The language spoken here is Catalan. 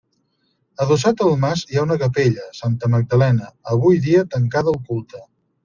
Adossat al mas hi ha una capella, Santa Magdalena, avui dia tancada al culte.